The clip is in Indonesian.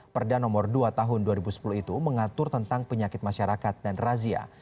perda nomor dua tahun dua ribu sepuluh itu mengatur tentang penyakit masyarakat dan razia